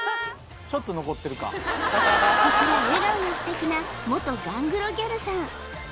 こちら笑顔が素敵な元ガングロギャルさん